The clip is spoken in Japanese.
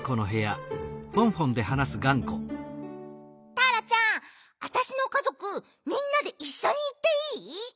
ターラちゃんわたしのかぞくみんなでいっしょにいっていい？